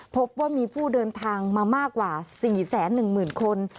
พบว่ามีผู้เดินทางมามากกว่า๔๑๐๐๐คน